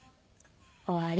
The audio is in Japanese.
終わり。